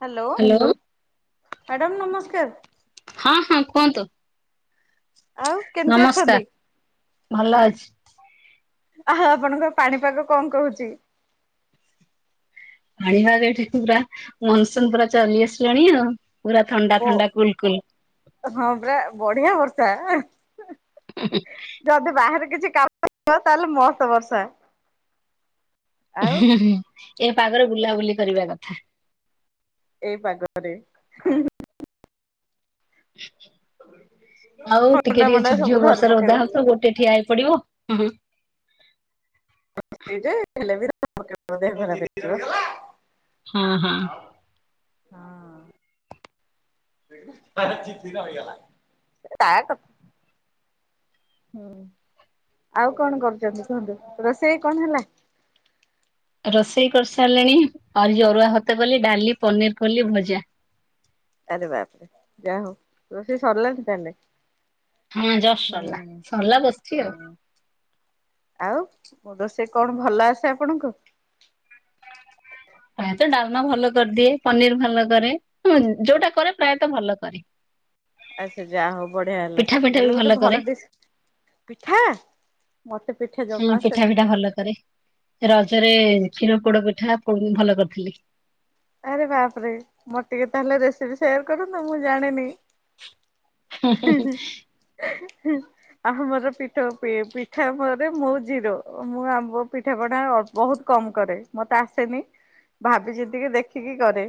Hello madam ନମସ୍କାର। ହଁ ହଁ କୁହନ୍ତୁ ଆଉ କେମିତି ଅଛନ୍ତି? ନମସ୍କାର ଭଲ ଅଛି। ଆଉ ଆପଣଙ୍କର ପାଣିପାଗ କଣ କହୁଛି? ପାଣି ଭାଗ ଏଠି ପୁରା ମନସୁନ ପୁରା ଚଲି ଆସିଲାଣି ଆଉ ପୁରା ବ ଥଣ୍ଡା ଥଣ୍ଡା କୁଲ କୁଲ। ହଁ ପୁରା ବଢିଆ ବର୍ଷା। ଯଦି ବାହାରେ କିଛି କାମ ଥିବ ତାହେଲେ ମସ୍ତ ବର୍ଷା। ଆଉ ଏ ପାଗରେ ବୁଲାବୁଲି କରିବା କଥା। ଏଇ ପାଗରେ। ଆଉ ଟିକେ ଥଣ୍ଡା ଟିକେ ମଣ୍ଡା ଝିପ ସବୁ ଝିପ୍ ଧରି ବର୍ଷାର ପକେଇବ। ଓଦା ହଉଥିବ କୋଉଠି ଟିକେ ଠିଆ ହେଇ ପଡିବ। ହୁଁ। [unintelligible] ହଁ ହଁ ଆଉ। ହଁ ତା କ ହୁଁ ଆଉ କଣ କରୁଛନ୍ତି କୁହନ୍ତୁ, ରୋଷେଇ କଣ ହେଲା? ରୋଷେଇ କରିସାରିଲିଣି, ଆରୁ ଯୋଉ ଅରୁଆ ଭାତ କଲି ଡାଲି, ପନିର କଲି ଭଜା। ଆରେ ବାପରେ ଯାହଉ ରୋଷେଇ ସରିଲାଣି ତାହେଲେ। ହଁ ଜଷ୍ଟ ହୁଁ ସରିଲା ସରିଲା ବସିଛି ଆଉ। ହୁଁ। ଆଉ ମୋ ରୋଷେଇ କଣ ଭଲ ଆସେ ଆପଣଙ୍କୁ? ପ୍ରାୟତଃ ଡାଲମା ଭଲ କରିଦିଏ। ପନିର ଭଲ କରେ ଉଁ ଯୋଉଟା କରେ ପ୍ରାୟତଃ ଭଲ କରେ। [inaudible] ଆଛା ଯାହା ହଉ ବଢିଆ ହେଲା। ପିଠା ପିଠା ବି ତାହେଲେ ଗୋଟେ କରେ ଭଲ ଡିସ୍ ପିଠା। ମୋତେ ପିଠା ହଁ ଜମା ପିଠା ଆସେନି। ଫିଠା ଭଲ କରେ। ରଜରେ କ୍ଷୀର ପୋଡ ପିଠା ପୋ ଭଲ କରିଥିଲି। ଆରେ ବାପରେ, ମତେ ଟିକେ ତାହେଲେ ରେସିପି ସେୟାର କରନ୍ତୁ ମୁଁ ଜାଣିନି। [unintelligible] ଆମର ପିଠ ଅ ପ ପିଠା ମରେ ମୁଁ ଜିରୋ ମୁଁ ଆମ ପିଠାପଣା ବହୁତ କମ କରେ, ମତେ ଆସେନି ଭାବି ଚିନ୍ତିକି ଦେଖିକି କରେ।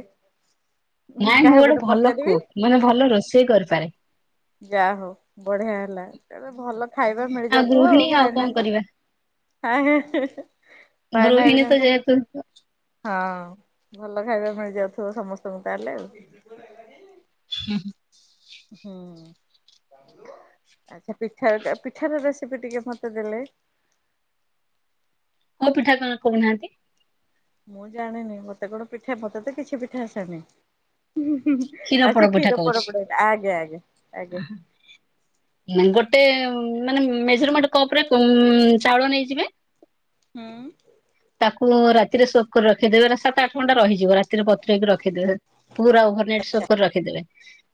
ନାଇଁ ମୁଁ କାହାକୁ ଗୋଟେ ଭଲ ପଚାରିବି କୁକ୍ ମାନେ ଭଲ ରୋଷେଇ କରିପାରେ। ଯା ହଉ ବଢିଆ ହେଲା, ତେବେ ଭଲ ଖାଇବା ମିଳି ଯାଉଥିବ ଆଉ ଗୃହିଣୀ କଣ ଭାଇନାଙ୍କୁ। କରିବା ଭାଇନା ଗୃହିଣୀ ତ ହରିକାଙ୍କୁ ହଁ। ଯେହେତୁ ଭଲ ଖାଇବା ମିଳିଯାଉଥିବ ସମସ୍ତଙ୍କୁ ତାହେଲେ ଆଉ। ହୁଁ ହୁଁ। ହୁଁ। ଆଛା ପିଠାର ଟା ପିଠାର ରେସିପି ଟିକେ ମତେ ଦେଲେ। କୋଉ ପିଠା କଣ କହୁନାହାନ୍ତି? ମୁଁ ଜାଣିନି, ମତେ କଣ ପିଠା ମତେ ତ କିଛି ପିଠା ଆସେନି। ପୋଡ ଆଛା ପିଠା କ୍ଷୀର ପୋଡ କହୁଛି। ପିଠା ଆଜ୍ଞା ଆଜ୍ଞା ଆଜ୍ଞା। ଗୋଟେ ମାନେ ମେଜରମେଣ୍ଟ କପ ରେ କ ଚାଉଳ ନେଇଯିବେ। ହୁଁ। ତାକୁ ରାତିରେ ସୋକ କରି ରଖିଦେବେ ରା ସାତ ଆଠ ଘଣ୍ଟା ରହିଯିବ ରାତିରେ ବତୁରେଇକି ରଖିଦେବେ। ପୁରା ଓଭର ନାଇଟ ସୋକ୍ କରି ରଖିଦେବେ।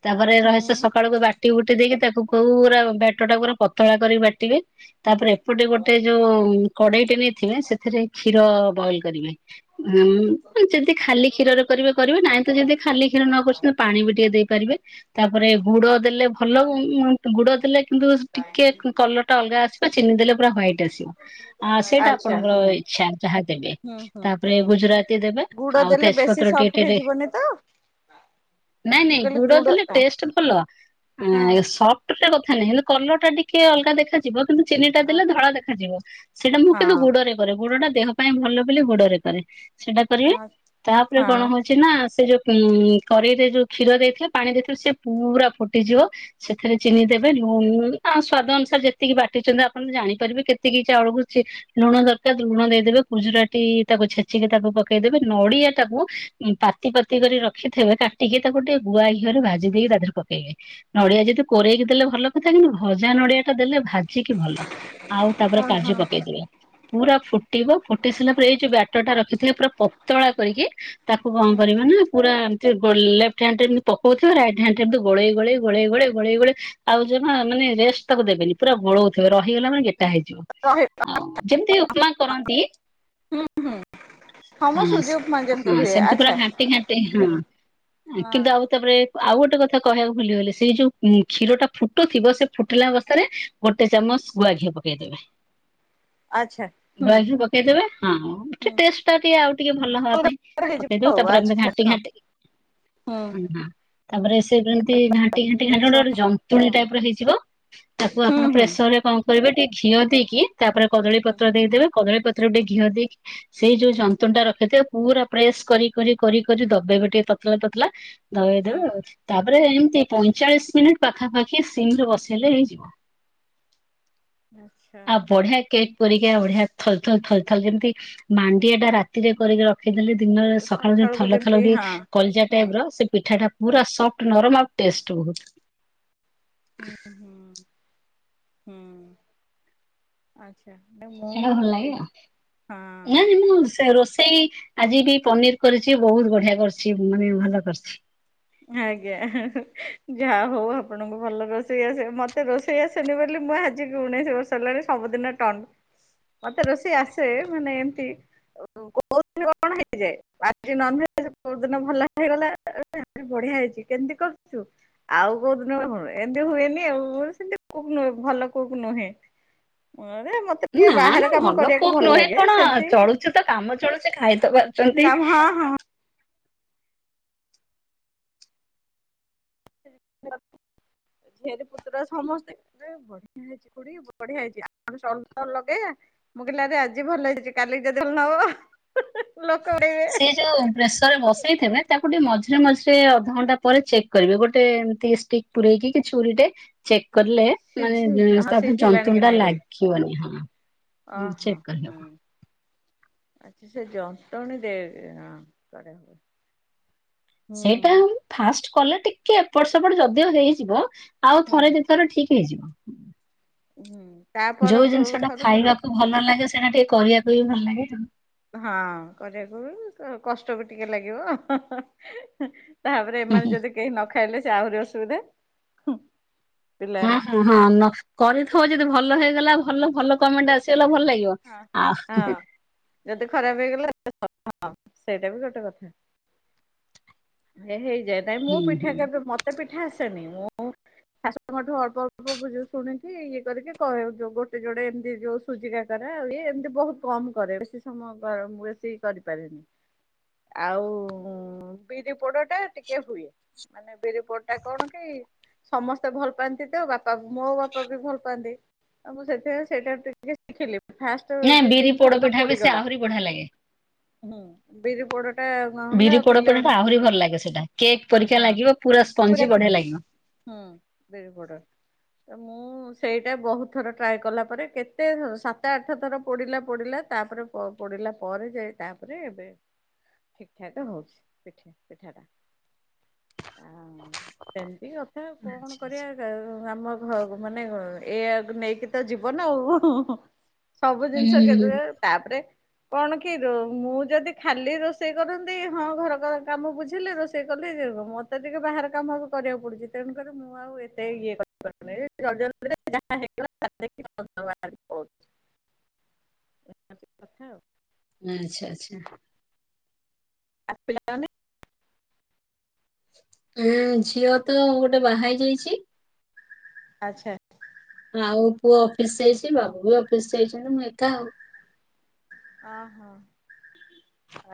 ତାପରେ ରହ ସିଏ ହୁଁ। ସକାଳୁକୁ ବା ଟି ବୁଟି ଦେଇକି ତାକୁ ପୁରା ବେଟର ଟା ପୁରା ପତଳା କରିକି ବାଟିବେ। ତାପରେ ଏପଟେ ଗୋଟେ ଯୋଉ କଡେଇଟେ ନେଇଥିବେ। ସେଥିରେ କ୍ଷୀର ବଏଲ କରିବେ। ହଁ ଯଦି ଖାଲି କ୍ଷୀରରେ କରିବେ କରିବେ, ନାଇଁ ତ ଯଦି ଖାଲି କ୍ଷୀର ନ କରୁ ପାଣି ବି ଟିକେ ଦେଇପାରିବେ, ତାପରେ ଗୁଡ଼ ଦେଲେ ଭଲ ଉଁ ଉଁ ଗୁଡ଼ ଦେଲେ କିନ୍ତୁ ଟିକେ କଲର ଟା ଅଲଗା ଆସିବ। ଚିନି ଦେଲେ ପୁରା ହ୍ଵାଇଟ୍ ଆସିବ ଆ ସେଇଟା ଆଚ୍ଛା ଆପଣଙ୍କର ହଁ ଇ ଆଛା ଯାହା ଦେବେ। ତାପରେ ଗୁଜୁରାତି ଦେବେ ଗୁଡ ଆଉ ଦେଲେ ବେଶୀ ତେଜପତ୍ର ସଫ୍ଟ ଟିକେ ଟି ହେଇଯିବନି ତ? [inaudible] ନାଇଁ ମୁଁ ନାଇଁ କହିଲି ଗୁଡ ଦେଲେ ହଁ ଟେଷ୍ଟ ଭଲ। ହଁ ଉଁ ସପ ଟ୍ କଥା ନାହିଁ। ହେଲେ କଲର ଟା ଟିକେ ଅଲଗା ଦେଖାଯିବ, କିନ୍ତୁ ଚିନିଟା ହଁ। ଦେଲେ ଧଳା ଦେଖାଯିବ। ସେଇଟା ମୁଁ କିନ୍ତୁ ହଁ ଗୁଡରେ କରେ। ଗୁଡଟା ଦେହ ପାଇଁ ଭଲ ବୋଲି ଗୁଡରେ କରେ। ସେଇଟା କରିବେ, ତାପରେ କଣ ହଁ ହଉଛି ନା ସେ ଯୋଉ ଉଁ କରେଇ ରେ ଯୋଉ କ୍ଷୀର ଦେଇଥିବେ, ପାଣି ଦେଇଥିବେ ସେ ପୁରା ଫୁଟିଯିବ। ସେଥିରେ ହଁ ଚିନି ଦେବେ। ଉଁ ଆ ସ୍ଵାଦ ଅନୁସାରେ ଯେତିକି ବାଟିଛନ୍ତି ଆପଣ ତ ଜାଣିପାରିବେ କେତିକି ଚାଉଳକୁ ଚି ଲୁଣ ଦରକାର ଲୁଣ ଦେଇଦେବେ, ଖୁଜୁରାଟି ତାକୁ ଛେଚିକି ତାକୁ ପକେଇଦେବେ, ନଡିଆ ଟାକୁ ପାତି ପାତି କରି ରଖିଥିବେ, କାଟିକି ତାକୁ ଗୋଟେ ଗୁଆ ଘିଅରେ ଭାଜି ଦେଇକି ତା ଦେହରେ ପକେଇବେ। ନଡିଆ ଯଦି କୋରେଇକି ଦେଲେ ଭଲ କଥା କିନ୍ତୁ ଭଜା ନଡିଆ ଦେଲେ ଭାଜିକି ଭଲ ଆଉ ତାପରେ କାଜୁ ହଁ। ପକେଇଦବେ। ପୁରା ଫୁଟିବ। ଫୁଟି ସାରିଲା ପରେ ଏଇ ଯୋଉ ବ୍ୟାଟର ଟା ରଖିଥିଲେ ପୁରା ପତଳା କରିକି ତାକୁ କଣ କରିବ ନା ପୁରା ଲେଫ୍ଟ ହାଣ୍ଡରେ ଏମତି ପକଉଥିବା, ରାଇଟ ହାଣ୍ଡରେ ଏମିତି ଗୋଳେଇ, ଗୋଳେଇ, ଗୋଳେଇ, ଗୋଳେଇ, ଗୋଳେଇ, ଗୋଳେଇ ଆଉ ଯମା ମାନେ ରେଷ୍ଟ ତାକୁ ଦେବେନି, ପୁରା ଗୋଳଉଥିବେ, ରହିଗଲା ମାନେ ଗେଟା ହେଇଯିବ। ରହ ଆଉ ଯେମିତି ଉପମା କରନ୍ତି। ମ ହଁ ହଁ ସୁଜି ଉପମା ଯେମିତି ହୁଏ ସେମିତି ପୁରା ଆଚ୍ଛା। ଘାଣ୍ଟି ଘାଣ୍ଟି, ହଁ ହଁ କିନ୍ତୁ ଆଉ ଆଉ ତାପରେ ଆଉ ଗୋଟେ କଥା କହିବାକୁ ଭୁଲିଗଲି, ସେଇ ଯୋଉ କ୍ଷୀର ଟା ଫୁଟୁ ଥିବ ସେ ଫୁଟିଲା ଅବସ୍ଥାରେ ଗୋଟେ ଚାମଚ ଗୁଆ ଘିଅ ପକେଇଦେବେ। [inaudible] ଆଚ୍ଛା ହୁଁ। ଗୁଆ ଘିଅ ପକେଇଦବେ, ହଁ ଟେଷ୍ଟ ହେଇଯିବ ଟା ଟିକେ ଆଉ ଟିକେ ଭଲ ହବା ପାଇଁ ପକେଇି ଦେବେ ଆଉ ତାପରେ ଏମିତି ଘାଣ୍ଟି ଆଚ୍ଛା ଘାଣ୍ଟି ହଁ ହଁ ତାପରେ ସେ ଯେମିତି ଘାଣ୍ଟି, ଘାଣ୍ଟି, ଘାଣ୍ଟି ଏତେ ଗୋଟେ ସମୟ ଗୋଟେ ହଁ ଯନ୍ତୁଣୀ ଟାଇପ ର ହେଇଯିବ। ତାକୁ ହୁଁ ଆପଣ ହୁଁ ପ୍ରେସର ରେ କଣ କରିବେ ଟିକେ ଘିଅ ଦେଇକି, ତାପରେ କଦଳୀ ହୁଁ ହୁଁ। ପତ୍ର ଦେଇଦେବେ, କଦଳୀ ପତ୍ର ଗୋଟେ ଘିଅ ଦେଇକି, ସେଇ ଯୋଉ ଯନ୍ତୁଣି ଟା ରଖିଥିବ ପୁରା ପ୍ରେସ କରି କରି କରି କରି ଦବେଇବେ ଟିକେ ପତଲା ପତଳା ଦବେଇଦେବେ ଆଉ। ତାପରେ ଏମିତି ପଇଁଚାଳିଶ ମିନିଟ୍ ପାଖାପାଖି ସିମ ରେ ବସେଇଲେ ହେଇଯିବ। ଆଚ୍ଛା ଆ ବଢିଆ କେକ୍ ପରିକା ବଢିଆ ଥଲ ଥଲ ଥଲ ଥଲ ଯେମିତି ମାଣ୍ଡିଆ ଟା ରାତିରେ କରିକି ର ପକେଇଦେଲେ ଦିନରେ ସକାଳୁ ଯୋ ସକାଳକୁ ଥଲ ଯେମିତି ଥଲ ହୁଏ ହଁ କଲଜା ହୁଁ। ଟାଇପ ର ସେ ପିଠା ଟା ହୁଁ ପୁରା ସଫ୍ଟ, ନରମ ଆଉ ଟେଷ୍ଟ ବହୁତ। ହୁଁ ହୁଁ ହୁଁ ଆଚ୍ଛା ମୁଁ ସେଟା ଭଲ ଲାଗେ ହଁ। ଆଉ, ନା ମୁଁ ସେ ରୋଷେଇ ଆଜି ବି ପନିର କରିଛି, ବହୁତ ବଢିଆ କରିଛି, ମାନେ ଭଲ କରିଛି। ଆଜ୍ଞା ଯାହା ହଉ ଆପଣଙ୍କୁ ଭଲ ରୋଷେଇ ଆସେ। ମତେ ରୋଷେଇ ରୋଷେଇ ଆସେନି ବୋଲି ମୁଁ ଆଜି ଉଣେଇଶି ବର୍ଷ ହେଲାଣି ସବୁଦିନ ଟଣ୍ଟ ମତେ ରୋଷେଇ ଆସେ ମାନେ ଏମତି କୋଉ ଦିନ କଣ ହେଇଯାଏ, ଆଜି ନନ ଭେଜ କୋଉ ଦିନ ଭଲ ହେଇଗଲା। ଆରେ ବଢିଆ ହେଇଛି କେମିତି କରିଛୁ। ଆଉ କୋଉ ଦିନ, ଏମିତି ହୁଏନି ଆଉ, ମୁ ସେମତି କୁକ୍ ନୁହେଁ ଭଲ କୁକ୍ ନୁହେଁ। ଆରେ ମତେ ଟିକେ ନା ନା ବାହାର କାମ କରିବାକୁ କୁକ୍ ଭଲ ନୁହେଁ ଲାଗେ କଣ ସେମତି। ଚଳୁଛି ତ କାମ ଚଳୁଛି ଖାଇ ତ ପାରୁଛନ୍ତି। ଆ ହଁ ହଁ ଝିଆରୀ ପୁତ୍ରା ସମସ୍ତେ ଏ ବଢିଆ। [unintelligible] ବଢିଆ ହେଇଚି ଆମେ ଚନ୍ଦନ ଲଗେଇଆ ମୁଁ କହିଲି ଆରେ ଆଜି ଭଲ ହେଇଚି କାଲି କି ଯଦି ଭଲ ନ ହବ। ଲୋକ ଉଡେଇବେ। ସେ ଯୋଉ ପ୍ରେସରରେ ବସେଇଥିବେ ତାକୁ ଟିକେ ମଝିରେ ମଝିରେ ଅଧଘଣ୍ଟା ପରେ ଚେକ୍ କରିବେ, ଗୋଟେ ଏମିତି ଷ୍ଟିକ ପୁରଇକି କି ଛୁରୀଟେ। ଚେକ୍ କରିଲେ ମାନେ ସିଝି ହଁ ତା [unintelligible] ସିଝିଲାଣି କି ଯନ୍ତୁଣ ଟା ନାଇଁ ବୋଲି ଲାଗିବନି ହଁ। ଉଁ ଚେକ କରିଦବ। ଆଛା ସେ ଜନ୍ତଣି ଦେ ହଁ ପଡିବ। ସେଇଟା ଆମ ଫାଷ୍ଟ କଲେ ଟିକେ ଏପଟ ସେପଟ ଯଦିଓ ହେଇଯିବ ଆଉ ହୁଁ। ଥରେ ଦି ଥର ଠିକ ହେଇଯିବ। ହୁଁ ତା ଯୋଉ ପରକୁ ଜିନିଷ ଟା ଥରକୁ ଖାଇବାକୁ ଭଲ ଲାଗେ ସେଇଟା ଟିକେ କରିଆ ପାଇଁ ଭଲ ଲାଗେ ଆଉ। ହଁ କରିଆକୁ ବି କଷ୍ଟ ବି ଟିକେ ଲାଗିବ। ତାପରେ ହୁଁ ଏମାନେ ହୁଁ ଯଦି କେହି ନ ଖାଇଲେ ସେ ଆହୁରି ଅସୁବିଧା ଖୁଁ। ହଁ ହୁଁ ହଁ ନ କରିଥିବ ଯଦି ଭଲ ହେଇଗଲା ଭଲ ଭଲ କମେଣ୍ଟ ଆସିଗଲା ଭଲ ଲାଗିବ, ହଁ ଆ ହଁ ଯଦି ଖରାପ ହେଇଗଲା [unintelligible] ହଁ ସେଇଟା ବି ଗୋଟେ କଥା। ଏ ହେଇଯାଏ ନାଇଁ ମୁଁ ହୁଁ ପିଠା ହୁଁ କେବେ ମତେ ପିଠା ଆସେନି, ମୁଁ ଶାଶୁମାଠୁ ଅଳ୍ପ ଅଳ୍ପ ବ ଶୁଣିକି ଇଏ କରିକି କରେ ଯୋଉ ଗୋଟେ ଯୋଡ଼େ ଏମିତି ଯୋଉ ସୁଜି କାକରା ଆଉ ଇଏ ଏମିତି ବହୁତ କମ କରେ ବେଶୀ ସମୟ [unintelligible] ବେଶୀ କରିପାରେନି। ଆଉ ବିରି ପୋଡଟା ଟିକେ ହୁଏ। ମାନେ ବିରି ପୋଡଟା କଣ କି ସମସ୍ତେ ଭଲ ପାଆନ୍ତି ତ ବାପା ମୋ ବାପା ବି ଭଲ ପାଆନ୍ତି। ଆଉ ମୁଁ ସେଥିପାଇଁ ସେଇଟା ଟିକେ ଶିଖିଲି ଫାଷ୍ଟ ନାଇଁ ଦି ବିରି ତିନି ପୋଡ଼ ଥର ପିଠା ବି ସେ ପୋଡିଗଲା। ଆହୁରି ବଢ଼ିଆ ଲାଗେ। ହୁଁ ବିରି ପୋଡ଼ଟା ବିରି ପୋଡ଼ ପିଠାଟା ଆହୁରି ଭଲ ଲାଗିବ ସେଇଟା, କେକ୍ ପରିକା ହଁ ଲାଗିବ ପୁରା ସ୍ପଞ୍ଜି ବଢ଼ିଆ ଲାଗିବ। ହୁଁ ବିରି ପୋଡ। ତ ମୁଁ ସେଇଟା ବହୁତ ଥର ଟ୍ରାଏ କଲା ପରେ, କେତେ ସାତ ଆଠ ଥର ପୋଡ଼ିଲା ପୋଡ଼ିଲା ତାପରେ ପ-ପୋଡ଼ିଲା ପରେ ଯାଇ ତାପରେ ଏବେ ଠିକ୍ ଠାକ୍ ହଉଛି। ପଠା ପିଠାଟା ଆଉ ସେମିତି କଥା ଆଉ କଣ ଆଚ୍ଛା କରିଆ ଆଚ୍ଛା। [unintelligible] ଆମ ଘ ମାନେ ଏଇଆ ନେଇକି ତ ଜୀବନ ଆଉ। ସବୁ ଜିନିଷ କେ ହୁଁ [unintelligible] ତାପରେ କଣ କି ମୁଁ ଯଦି ଖାଲି ରୋଷେଇ କରନ୍ତି ହଁ ଘର ଘର କାମ ବୁଝିଲି ରୋଷେଇ କଲି ଯିବ, ମତେ ଟିକେ ବାହାର କାମ କରିବାକୁ ପଡୁଚି ତେଣୁକରି ମୁଁ ଆଉ ଏତେ ଇଏ କ [unintelligible] ହଁ ଏଇ ରଜରେ ଯାହା ହେଇଗଲା [unintelligible] ଓ। ଆଉ। ଆଚ୍ଛା ଆଚ୍ଛା। ଆ ପିଲାମାନେ? ଉଁ ଝିଅ ତ ଗୋଟେ ବାହା ହେଇ ଯାଇଚି। ଆଚ୍ଛା। ଆଉ ପୁଅ ଅଫିସ ଯାଇଚି, ବାବୁ ବି ଅଫିସ ଯାଇଛନ୍ତି, ମୁଁ ଏକା ଆଉ। ଓହୋ।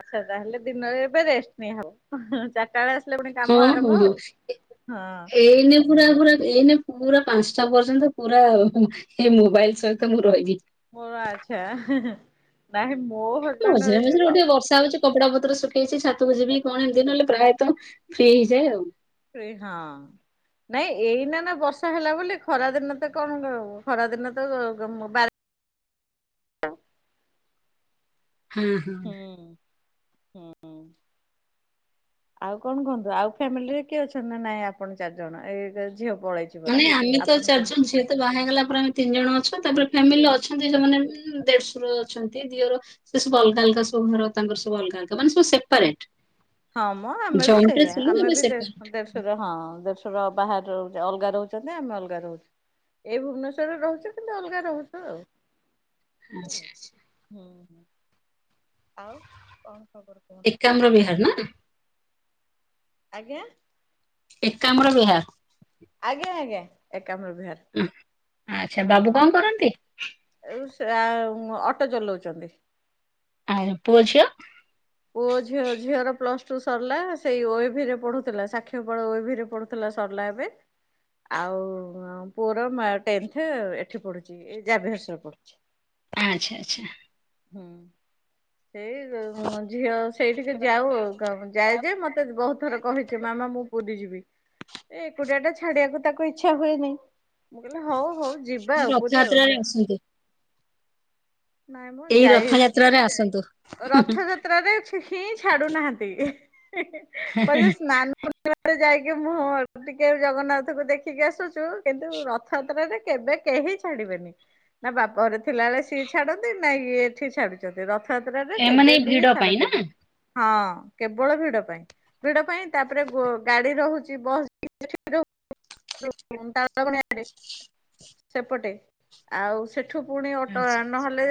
ଆଚ୍ଛା ତାହେଲେ ଦିନରେ ଏବେ ରେଷ୍ଟ ନେଇ ହବ ଚାରଟା ବେଳେ ଆସିଲେ ପୁଣି କାମ ଆରମ୍ଭ ହଁ-ହଁ-ହଁ ଆଉ ହଁ। ଏଇନେ ପୁରା ପୁରା ଏଇନେ ପୁରା ପାଞ୍ଚଟା ପର୍ଯ୍ୟନ୍ତ ପୁରା ଏ ମୋବାଇଲ ସହିତ ମୁଁ ରହିବି। ଓ ଆଚ୍ଛା ନାଇଁ ମୋ ହଜବେଣ୍ଡ ମଝିରେ ଇଏ ମଝିରେ ତ ଟିକେ ବର୍ଷା ହଉଚି କପଡା ପତ୍ର ଶୁଖେଇଚି ଛାତକୁ ଯିବି କଣ ଏମିତି ନହେଲେ ପ୍ରାୟତଃ ଫ୍ରି ହେଇଯାଏ ଆଉ। ପ୍ରେ ହଁ। ନାଇଁ ଏଇନା ନା ବର୍ଷା ହେଲା ବୋଲି ଖରା ଦିନ ତ କଣ ଖରା ଦିନ ତ ବାର ହଁ ହଁ ହୁଁ ହୁଁ ହୁଁ। ଆଉ କଣ କୁହନ୍ତୁ ଆଉ ଫ୍ୟାମିଲିରେ କିଏ ଅଛନ୍ତି ନା ନାଇଁ ଆପଣ ଚାରିଜଣ ଏ ଝିଅ ପଳେଇଚି। ମାନେ ଆମେ ତ ଚାରି ଜଣ ଝିଏ ତ ବାହା ହେଇଗଲା ପରେ ଆମେ ତିନି ଜଣ ଅଛୁ ତାପରେ ଫ୍ୟାମିଲରେ ତିନି ଅଛନ୍ତି। ସେମାନେ ଦେଢ଼ଶୁର ଅଛନ୍ତି ଦିଅର ସେ ସବୁ ଅଲଗା ଅଲଗା ସବୁ ଘର ତାଙ୍କର ସବୁ ଅଲଗା ଅଲଗା ମାନେ ସବୁ ସେପାରେଟ୍। ହଁ ମଁ ଆମେ ବି ସେଇଆ ଆମେ ଏବେ ବି ଦେଢ଼ ସେପାରେଟ ଶୁର ଶୁର ହଁ ଦେରଶୁର ବାହାରେ ଅଲଗା ରୋହୁଚନ୍ତି ଆମେ ଅଲଗା ରୋହୁଚୁ। ଏଇ ଭୁବନେଶ୍ୱରରେ ରୋହୁଚ କିନ୍ତୁ ଅଲଗା ରୋହୁଚ ଆଉ। ଆଚ୍ଛା ଆଚ୍ଛା ଆଉ କଣ ଖବର କହ। କାମ୍ର ବିହାର ନା। ଆଜ୍ଞା। ଏକାମର ବହାର। ଆଜ୍ଞା ଆଜ୍ଞା ଏକାମର ବିହାର। ଉଁ ଆଚ୍ଛା ବାବୁ କଣ କରନ୍ତି। ଏଉ ସେ ଆଉ ଅଟୋ ଚଲୋଉଚନ୍ତି। ଆ ପୁଅ ଝିଅ। ପୁଅ ଝିଅର ଝିଅର ପ୍ଲସଟୁ ସରିଲା ସେଇ ଓଏ ଭିି ରେ ପଢୁଥିଲା ସାକ୍ଷୀ ଗୋପାଳ ଓଏ ଭିି ରେ ପଢୁ ଥିଲା ସରିଲା ଏବେ ଆଉ ପୁଅର ମା ଟେନ୍ଥେ ଏଠି ପଢୁଚି। ଏଇ ଯାଭିୟରସ୍ସରେ ପଢୁଚି। ଆଚ୍ଛା ଆଚ୍ଛା। ହୁଁ। ସେଇ ମୁଁ ଝିଅ ସେଇଟିକି ଯାଉ ଏଇ କ ଯାଏ ଯେ ମତେ ବହୁତ ଥର କହିଚି ମାମା ମୁଁ ପୁରୀ ଯିବି ଏକୁଟିଆ ଟା ଛାଡିବାକୁ ତାକୁ ଇଚ୍ଛା ହୁଏନି। ମୁଁ କହିଲି ହଉ ହଉ ଯିବା ପୁରୀ ଆଉ ରଥଯାତ୍ରାରେ ଏବେ। ଆସନ୍ତୁ ନାଇଁ ମଁ ଯାଇ ନ୍ତୁ। ରଥଯାତ୍ରାରେ ହିଁ ଛାଡୁନାହାନ୍ତି ପରେ ସ୍ନାନ ପୁନ୍ନିମାରେ ଯାଇକି ମୁଁହଁ ମାରୁଚୁ ଟିକେ ଜଗନ୍ନାଥଙ୍କୁ ଦେଖିକି ଆସୁଚୁ କିନ୍ତୁ ରଥଯାତ୍ରାରେ କେବେ କେହି ଛାଡିବେନି ନା ବାପ ଘରେ ଥିଲାବେଳେ ସିଏ ଛାଡନ୍ତି ନା ଇଏ ଏଠି ଛାଡୁଚନ୍ତି ରଥଯାତ୍ରା ରେ ଏ ମାନେ କେବେ ଏଇ ବି ଭିଡ ପାଇଁ ନା? ଛାଡନ୍ତିନି। ହଁ କେବଳ ଭିଡ ପାଇଁ। ଭିଡ ପାଇଁ ତାପରେ ଗାଡି ରହୁଚି ବସ୍ [unintelligible] [unintelligible] ସେପଟେ ଆଉ ସେ ଏଠୁ ପୁଣି ଅଟୋ ଆ ଆଚ୍ଛା ଲେ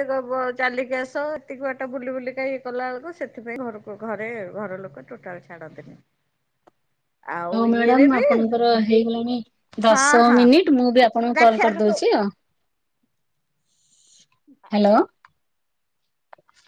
ଚାଲିକି ଆସ ଏତିକି ବାଟା ବୁଲି ବୁଲିକା ଇଏ କଲା ବେଳକୁ ସେଥିପାଇଁ ଘର ଘରେ ଘର ଲୋକ ଟୋଟାଲ ଛାଡ଼ନ୍ତିନି। ଓ ମ୍ୟାଡାମ ଆପଣଙ୍କର ହେଇଗଲାଣି। ହଁ ଦଶ ହଁ ମିନିଟ୍ ମୁଁ ବି ଆପଣଙ୍କୁ ରାକ୍ଷୀ କଲ ଆଗକୁ କରଦଉଚି ଆଉ। ହ୍ୟାଲୋ।